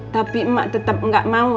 tapi emak tetap nggak mau